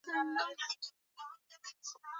Na akajiunga na kundi akiwa kama mwitikiaji